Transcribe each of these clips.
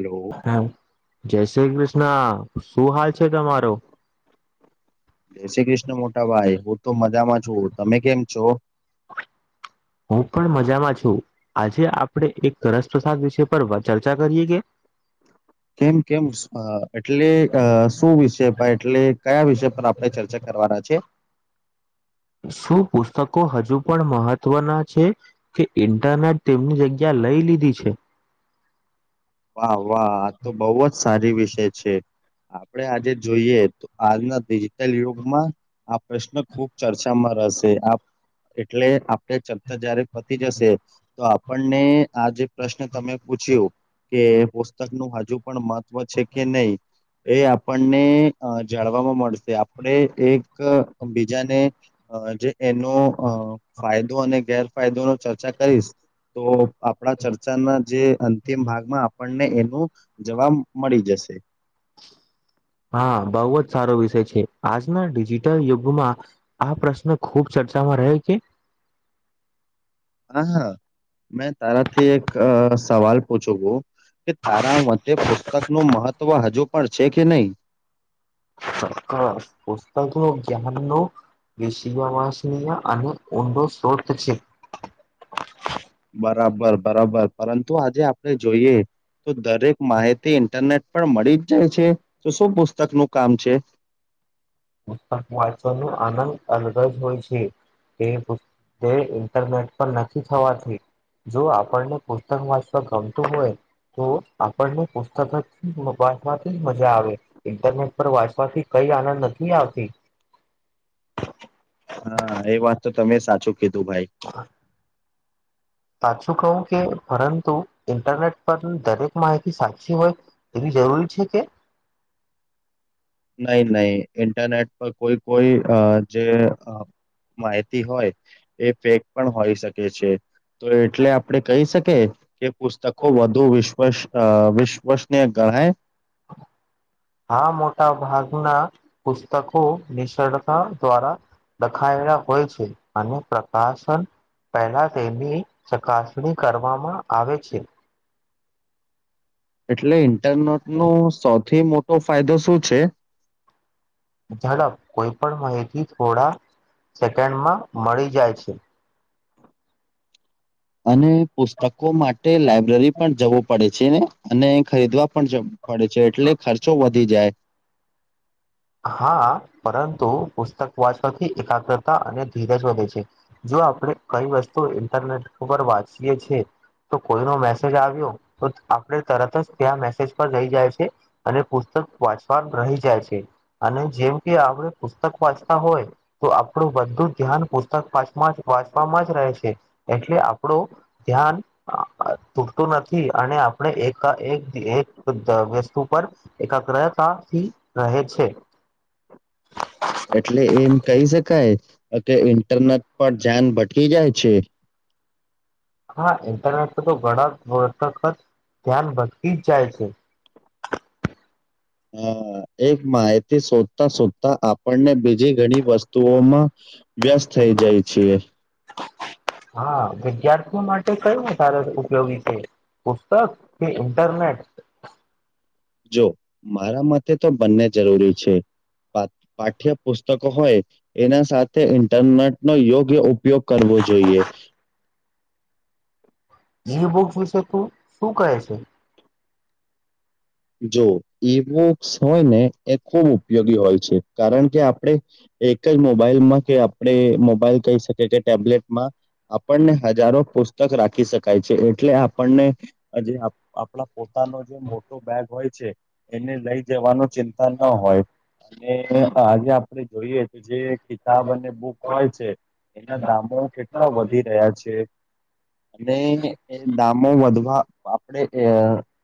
Hello હ, જય શ્રી કૃષ્ણ શું હાલ છે. તમારો જય શ્રી કૃષ્ણ મોટા ભાઈ હુ, તો મજામાં છુ, તમે કેમ છો. હું પણ મજામાં છું આજે આપણેે, એક ઘસપસાદ વિષ પર ચર્ચા કરીએ કે કેમ. કેમ એટલે અ શુ, વિષય એટલે કયા વિષય પર આપણે ચર્ચા કરવાના છે. શું પૂછ હજુ, પણ મહત્વના છે. કે ઇન્ટરનેટ તેમની જગ્યા લઈ લીધી છે. વાહ વાહ આ, તો બહુ જ સારી વિષય છે. આપડે આજે જોઈએ, તો આજના ડિજિટલ યુગમાં આ પ્રશ્ન ખુબ ચર્ચામાં હશે, એટલે આપણે ચતા જયારે પતી જશે, તો આપણને આ જે પ્રશ્ન તમે પૂછ્યું. કે પુસ્તકનુ હજુ, પણ મહત્વ છે. કે નહી? એ આપણને જાણવાવામા, મળશે આપણે એક બીજાને અ જે એનો ફાયદો, અને ગેરફાયદો ન ચર્ચા કરીશ તો આપણા, ચર્ચાના જે અંતિમ ભાગમાં આપણને એનું જવાબ, મળી જશે. હા, બહ જ સારો વિષય છે. આજના ડિજિટલ યુગમાં આ પ્રશ્ન ખુબ ચર્ચામાં રહે છે. હા, હા મેં તારાથી, એક સવાલ પૂછુ કે તારા મતે પુસ્તકનું મહત્ત્વ હજુ, પણ છે. કે નહીં? [unintelligible] પુસ્તકો ધ્યાનનો, વિશયવાસનીય અને ઊંડો સ્ત્રોત છે. બરાબર, બરાબર પરતુ આજે આપણે જોઈએ તો દરેક માહિતી ઇન્ટરનેટ, પણ મળી જ જાય છે, તો શું પુસ્તક નું કામ છે. વાચ ન આનંદ અલગ, જ હોય છે. એ પ ઇન્ટરનેટ પર નથી, થવાતી જો આપણને, પુસ્તક વાચવા ગમતું હોય તો આપણને પુસ્તક વાંચવાથી મજા આવે ઇન્ટરનેટ પર વાંચવાથી ક આનંદ નથી આવતી હા એ વાત તો તમે સાચું કીધું ભાઈ. સાચું કહુ, કે પરતુ ઇન્ટરનેટ પર દરેક માહિતી સાચી હોય એવી જરૂરી છે, કે નહી, નહી ઇન્ટરનેટ પર કોઈ, કોઈ જે માહિતી હોય, એ ફેક પણ હોય શકે છે. તો એટલે આપડે કહી, શકીએ. કે પુસ્તકો વધુ વિશ્વસ વિશ્વસનીય હે બ આ મોટા ભાગના પુસ્તકો, નિસ દ્વારા દખાયેલા હોય છે, અને પ્રકાશન પહેલા, તેની ચકાસણી કરવામાં આવે છે. એટલે ઇન્ટરનેટનો સૌથી, મોટો ફાયદો શું છે. ઝડપ કોઈ, પણ માયથી થોડા સેકન્ડમાં મળી જાય છે. અને પુસ્તકો માટે લાઈબ્રેરી, પણ જવું પડે છેને, અને ખરીદવા પણ પડે છે, એટલે ખર્ચો વધી જાય હા, પરંતુ પુસ્તક વાંચવાથી એકાગ્રતા અને ધીરજ વધે છે. આપણે કઈ, વસ્તુ ઇન્ટરનેટ ઉપર વાચ તો કોઈ ન મેસેજ આવ્યો, તો આપણે તરત જ ત્યા મેસેજ પર જઈ જાય છે. અને પુસ્તક વાંચવા રહી જાય છે અને જેમ કે આપડ પુસ્તક વાંચતા હોય તો આપું બુ ધ્યાન પુસ્તક વાંચવામાં જ રહે છે એટ એટલે આપડું ધ્યાન તૂટતું નથી અને આપણે એક એક વસ્તુ પર એક ક્રતાથી રહે છે. એટલે એમ કહી શકાય કે ઇન્ટરનેટ પર ધ્યાન બ ક જાય છે. હા ઇન્ટરનેટ પર તો ઘણા વખખત ધ્યાન ભદકી જ જાય છે. [inaudible] હ એક માહિતી શોધતા શોધતા આપણને બીજી ઘણી વસ્તુઓમાં વ્યસ્ત થઈ જાય છે. હા વિદ્યાર્થીઓ માટે કયું વધારે ઉપયોગી છે પુસ્તક કે ઇન્ટરનેટ જો મારા મ તો બંને જરૂરી છે પાઠ્ય પુસ્તક હોય એના સાથે ઇન્ટરનેટ નો યોગ્ય ઉપયોગ કરવો જોઈએ જ બુક વિશે તું શું કહે છે જો ઈ બુક્સ હોય ને એ ખૂબ ઉપયોગી હોય છે કારણ કે આપણેે એક જ મોબાઈલમાં કે આપણે મોબાઈલ કહી શકીએ કે ટેબલેટમાં આપણને હજારો પુસ્તક રાખી શકાય છે એટલે આપણને જે આપણા પોતાનો જે મોટો બેગ હોય છે એને લઈ જવાનો ચિંતા ન હોય અને આજે આપડે જોઈએ તો જે કિતાબ અને બુક હોય છે એના દામો કેટલા વધી રહ્યા છે અને એ દામો વધવા આપડે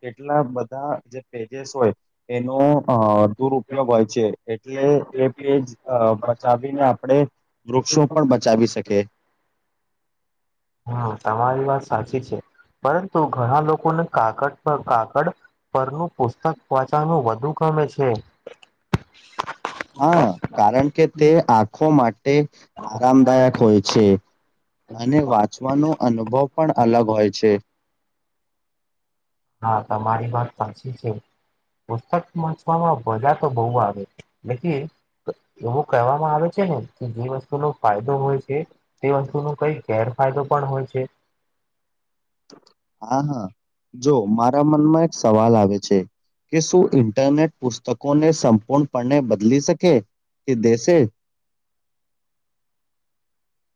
કેટલા જે પેજસ હોય એનો અ દુરપયોગ હોય છે એટલે એ પેજ બચાવીને આપણેે વૃક્ષો પણ બચાવી શકે હમ તમારી વાત સાચી છે પરંતુ ઘણા લોકોને કાાગડ કાગડ પરનું પુસ્તક વાંચાનું વધુ ગમે છે [inaudible] હા કારણ કે તે આખો માટે આરામદાયક હોય છે કપ [inaudible] ન અનુભવ પણ અલગ હોય છે હા તમારી વાત સાચી છે પુસ્તક વાંચવામાં મજા તો બહુ આવે એવું કહેવામાં આવે છે ને કે જે વસ્તુનો ફાયદો હોય છે તે વસ્તુ ન કઈ ગેરફાયદો પણ હોય છે હા હા જો મારા મનમાં એક સવાલ આવે છે કે શું ઇન્ટરનેટ પુસ્તકોને સંપૂર્ણ પણણે બદલી શકે કે દેસે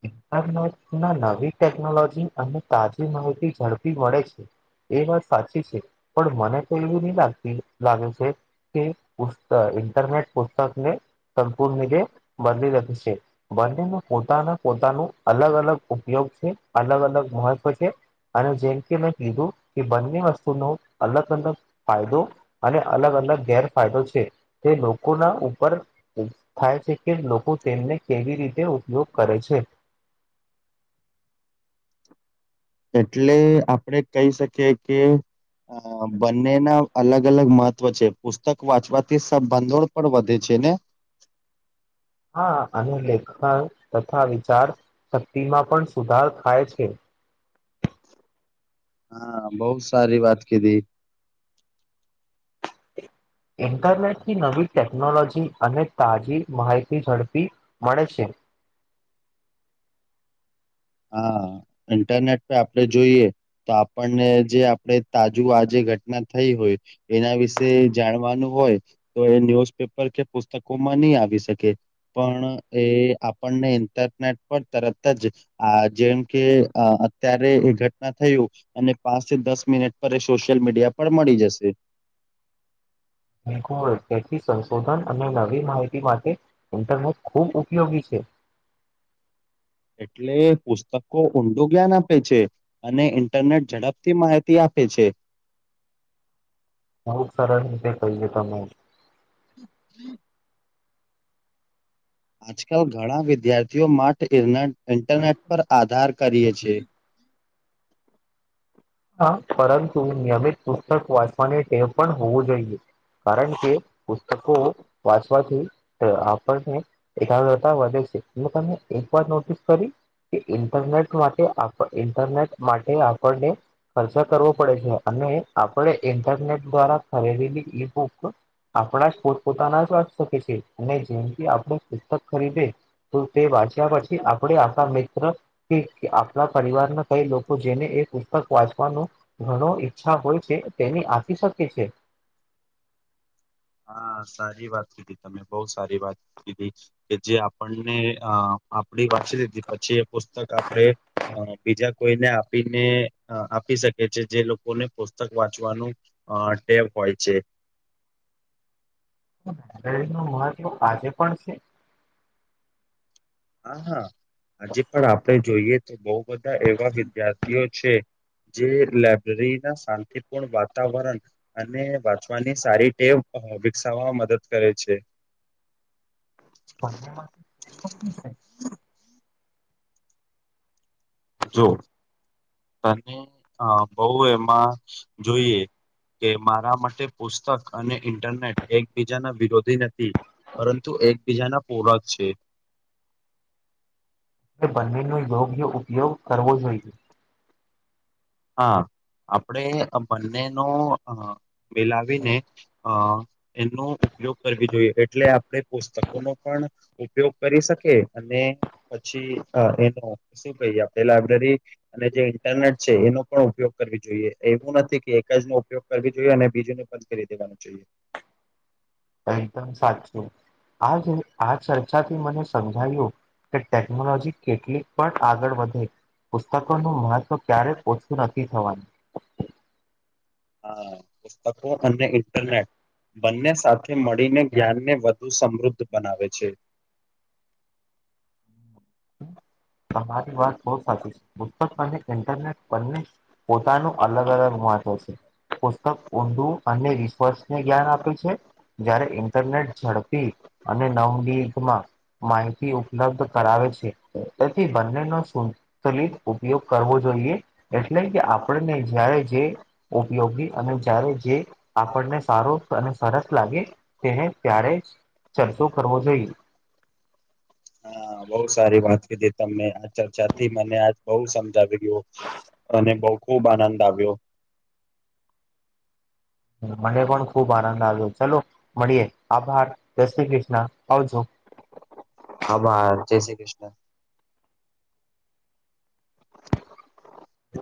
ઇન્ટરનેટના નવી ટેકનોલોજી અને તાજી માહિતી ઝડપી મળે છે એ વાત સાચી છે પણ મને તો એવું નહી લાગતી લાગે છે કે પુસ્ત ઇન્ટરનેટ પુસ્તકને સંપૂર્ રતે બદલી લખ છે બંનેમાં પોતાના પોતાનું અલગ અલગ ઉપયોગ છે અલગ અલગ મહત્વ છે અને જેમ કે મેં કીધું કે બંને વસ્તુનો અલગ અલગ ફાયદો અને અલગ અલગ અલગ ગેરફાયદો છે તે લોકોના ઉપર થાય છે કે લોકો તેમને રીતે ઉપયોગ કરે છે એટલે આપડે કહી શકીએ કે અ બંનેના અલગ અલગ મહત્વ છે પુસ્તક વાંચવાથી સંબંધો પણ વધે છે છે ને હા અનેનું લેખન તથા ચાર શક્તિમાં પણ સુધાર થાય છે હા બહુવ સારી વાત કીધી ઇન્ટરનેટથી નવી ટેકનોલોજી અને તાજી માહિતી ઝડપી મળે છે હા ઇન્ટરનેટ પે આપણેે જોઈએ તો આપણને જે આપડે તાજું આજે ઘટના થઈ હોય એના વિશે જાણવાનું હોય તો એ ન્યુઝપેપર કે પુસ્તકોમાં નહી આવી શકે પણ એ આપણને ઇન્ટરનેટ પર તરત જ આ જેમ કે અત્યારે એ ઘટના થયું અને પાંચથી દસ મિનિટ પર સોશયલ મીડિયા મળી જશે [unintelligible] એક હોય તેથી સંશોધન અને નવી માહિતી માટે ઇન્ટરનેટ ખૂબ ઉપયોગી છે એટલે પુસ્તકો ઊંડું જ્ઞાન આપે છે અને ઇન્ટરનેટ ઝડપથી માહિતી આપે છે બહુ સરસ રીતે કહીએે તમે હ હમ આજકાલ ઘણા વિદ્યાર્થીઓ મા રના ઇન્ટરનેટ પર આધાર કરીએ છે હા પરંતુ નિયમિત પુસ્તક વાંચવાની ટેવ પણ હોવું જોઈએ કારણ કે પુસ્તકો વાંચવાથી આપણને એકાગ્રતા વધે એ તમેં એક વાર નોટિસ કરી. કે ઇન્ટરનેટ માટે આપ ઇન્ટરનેટ માટે આપણને ખર્ચા કરવો પડે છે, અને આપડે ઇન્ટરનેટ દ્વારા [unintelligible] આપણા જ પોતપોતાના જ વાચી શકે છે અને જેમ કે આપ ખરીદે તો તે વાંચ્યા પછી આપડે આપડા મિત્ર કે આપણા પરિવારમાં એ લોકો જેને એક ઉ [unintelligible] વાંચવાનું ઘણો ઈચ્છા હોય છે તેની આપી શકે છે. [inaudible] હા, સારી વાત કીધી, તમે બહુ સારી વાત કીધી કે જે, આપણને અ આપડી વાંચી લીધી પછી, એ પુસ્તક આપડે બીજા કોઈને આપીને આપી શકે છે, જે લોકોને પુસ્તક વાંચવાનું અ ટે હોય છે. [inaudible] ટ્રેન નું મહત્વ આજે પણ છે. હા હા હજી પણ આપણે જોઈએ તો બવ બધા એવા વિદ્યાર્થીઓ છે જે લાયબ્રેરી ના શાંતિપૂર્ણ વાતાવરણ અને વાંચવાની સારી ટેવ વિકસાવવામાં મદદ કરે છે. બંને મા [inaudible] જો તને હ બઉ એમાં જોઈએ. કે મારા માટે પુસ્તક અને ઇન્ટરનેટ એકબીજાના વિરોધી નથી પરંતુ એકબીજાના પોરાક છે. બંનેનો યોગ્ય ઉપયોગ કરવો જોઈએ. હા આપડે બંનેનો અ મિલાવીને અ એનો ઉપયોગ કરવી જોઈએ એટલે આપડે પુસ્તકો નો પણ ઉપયોગ કરી શકે અને પછી અ એનો [unintelligible] [unintelligible] આપડે લાયબ્રેરી અને જે ઇન્ટરનેટ છે એનો પણ ઉપયોગ કરવી જોઈએ, એવું નથી કે એક જ નો ઉપયોગ કરવી જોઈએ અને બીજું ન બંધ કરી દેવો જોઈએ. [inaudible] એકદમ સાચું આજ આ ચર્ચાથી મને સમજાયું કે ટેકનોલોજી કેટલીક પણ આગળ વધે પુસ્તકો નું મહત્વ ક્યારે ઓછું નથી થવાનુ. હા, પુસ્તકો અને ઇન્ટરનેટ, બંને સાથે મળીને જ્ઞાન ને વધુ સમ વૃદ્ધ બનાવે છે. [inaudible] તમારી વાત બહુ સાચી છે, પુસ્તક અને ઇન્ટરનેટ બંને પોતાનું અલગ અલગ વા હોય છે, પુસ્તક ઓનુ અને [unintelligible] ને જ્ઞાન આપે છે જ્યારે, ઇન્ટરનેટ ઝડપી અને નવનીત માં માહિતી ઉપલબ્ધ કરાવે છે. સલિત ઉપયોગ કરવો જોઈએ એટલે કે આપણને જ્યારે જે ઉપયોગી અને જ્યારે જે આપણને સારો અને સરસ લાગે તેને ત્યારેજ ચર્ચો કરવો જોઈએ. હા બહુ સારી વાત કીધી તમને આ ચર્ચાથી મને આજ બહુ સમજાવી ગ્યું. અને બહું ખુબ આનંદ આવ્યો. મને પણ ખુબ આનંદ આવ્યો ચલો મળીએ, આભાર, જય શ્રી કૃષ્ ણ આવજો. આભાર, જય શ્રી કૃષ્ણ.